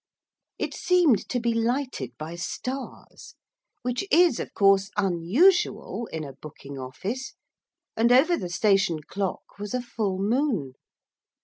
It seemed to be lighted by stars, which is, of course, unusual in a booking office, and over the station clock was a full moon.